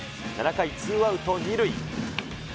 ７回ツーアウト２塁。